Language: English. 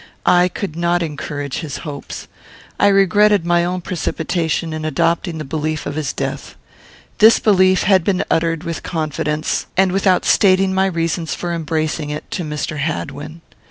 I could not encourage his hopes. I regretted my own precipitation in adopting the belief of his death. This belief had been uttered with confidence, and without stating my reasons for embracing it, to Mr. Hadwin.